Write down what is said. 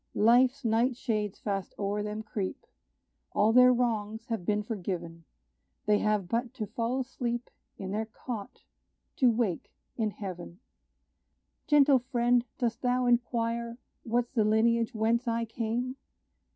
Life's night shades fast o'er them creep; All their wrongs have been forgiven They have but to fall asleep In their cot, to wake in heaven. Gentle friend, dost thou inquire What's the lineage whence I came?